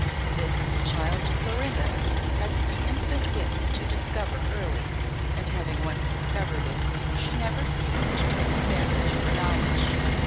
This the child Clorinda had the infant wit to discover early, and having once discovered it, she never ceased to take advantage of her knowledge.